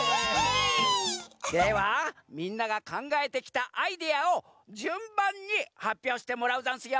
ではみんながかんがえてきたアイデアをじゅんばんにはっぴょうしてもらうざんすよ！